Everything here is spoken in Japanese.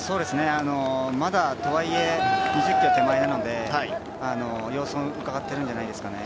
とはいえまだ２０ｋｍ手前なので様子をうかがってるんじゃないですかね。